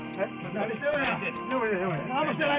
何もしてない。